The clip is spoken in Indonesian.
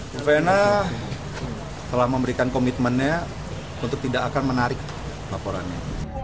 bu fena telah memberikan komitmennya untuk tidak akan menarik laporannya